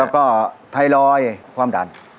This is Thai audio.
ก็ถ่ายรอยความดัน